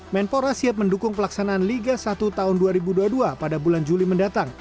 menpora siap mendukung pelaksanaan liga satu tahun dua ribu dua puluh dua pada bulan juli mendatang